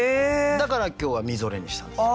だから今日はみぞれにしたんです。